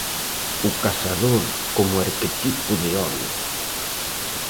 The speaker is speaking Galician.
O cazador como arquetipo de home.